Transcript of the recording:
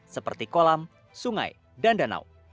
seperti kolam sungai dan danau